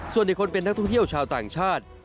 ส่วนอีกคนเป็นนักท่องเที่ยวชาวต่างชาติ